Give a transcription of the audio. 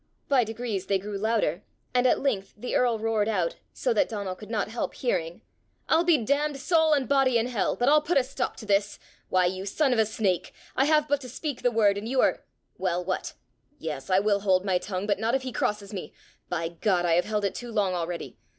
By degrees they grew louder, and at length the earl roared out, so that Donal could not help hearing: "I'll be damned soul and body in hell, but I'll put a stop to this! Why, you son of a snake! I have but to speak the word, and you are well, what . Yes, I will hold my tongue, but not if he crosses me! By God! I have held it too long already!